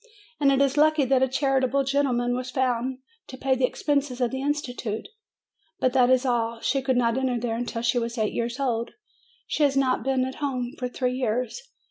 And it is lucky that a charitable gentleman was found to pay the expenses of the institution. But that is all she could not enter there until she was eight years old. She has not been at home for three years.